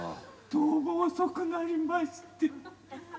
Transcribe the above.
どうも遅くなりまして。